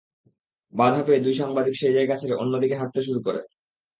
বাধা পেয়ে দুই সাংবাদিক সেই জায়গা ছেড়ে অন্যদিকে হাঁটতে শুরু করেন।